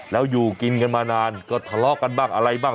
แล้วอยู่กินกันมานานก็ทะเลาะกันบ้างอะไรบ้าง